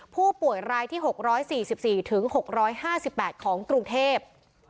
ผู้ป่วยรายที่๖๔๔๖๕๘ของกรุงเทพ